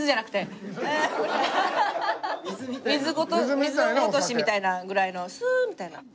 如水みたいなぐらいのスーッ！みたいな。